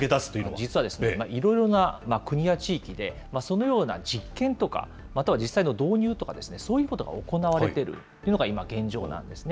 実は、いろいろな国や地域で、そのような実験とか、または実際の導入とか、そういうことが行われているというのが今、現状なんですね。